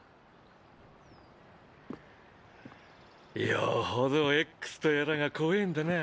よほどＸとやらが怖ぇんだな。